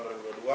dan yang kedua